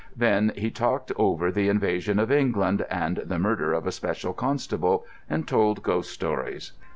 Then he talked over the invasion of England, and the murder of a special constable, and told ghost stories.